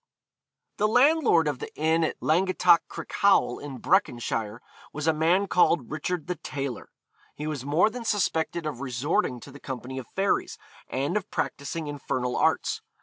The landlord of the inn at Langattock Crickhowel, in Breconshire, was a man called Richard the Tailor. He was more than suspected of resorting to the company of fairies, and of practising infernal arts.